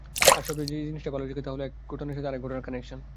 আর সবচেয়ে যে জিনিসটা ভালো লেগেছে তা হলো এক ঘটনার সাথে আরেক ঘটনার কানেকশন।